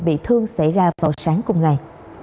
bị thương xảy ra vào sáng cùng ngày